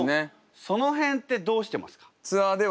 その辺ってどうしてますか？